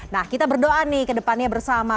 nah kita berdoa nih ke depannya bersama